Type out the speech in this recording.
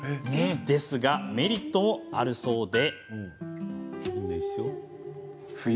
ですがメリットもあるそうで。